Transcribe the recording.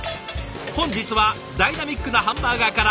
本日はダイナミックなハンバーガーから。